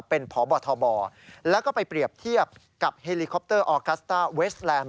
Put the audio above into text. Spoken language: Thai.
เป็นพบทบแล้วก็ไปเปรียบเทียบกับเฮลิคอปเตอร์ออกัสต้าเวสแลนด